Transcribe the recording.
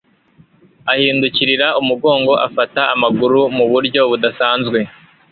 ahindukirira umugongo, afata amaguru mu buryo budasanzwe